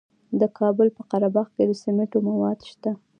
د کابل په قره باغ کې د سمنټو مواد شته.